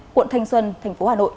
quận thanh xuân tp hà nội